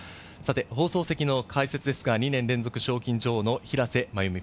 放送席の解説ですが、２年連続賞金女王の平瀬真由美